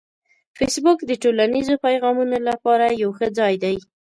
فېسبوک د ټولنیزو پیغامونو لپاره یو ښه ځای دی